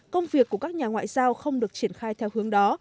công việc của các nhà ngoại giao không được triển khai theo hướng đó